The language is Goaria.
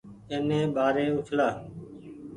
اي ني ٻآري اُڇلآ۔